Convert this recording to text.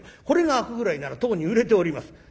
『これが開くぐらいならとうに売れております』。